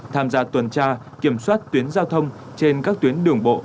tham gia tuần tra kiểm soát tuyến giao thông trên các tuyến đường bộ